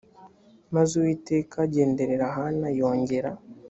maze uwiteka agenderera hana yongera